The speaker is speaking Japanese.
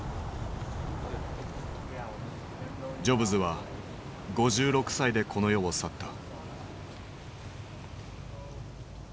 ジョブズは５６歳でこの世を去った。